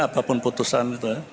apapun putusan itu ya